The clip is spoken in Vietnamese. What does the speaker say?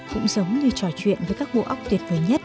cũng giống như trò chuyện với các bộ óc tuyệt vời nhất